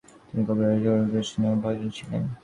তিনি কবিগুরু রবীন্দ্রনাথ ঠাকুরের স্নেহ ভাজন ছিলেন।